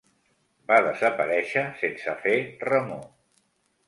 Va desaparèixer sense fer remor